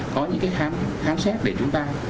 có những hán xét để chúng ta